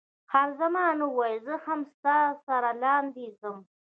خان زمان وویل، زه هم ستا سره لاندې ځم.